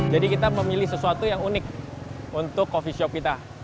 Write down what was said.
jadi kita memilih sesuatu yang unik untuk coffee shop kita